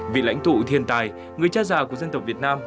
vị lãnh tụ thiên tài người cha già của dân tộc việt nam